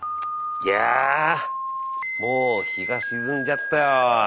いやぁもう日が沈んじゃったよ。